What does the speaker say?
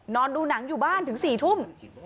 ดูหนังอยู่บ้านถึง๔ทุ่ม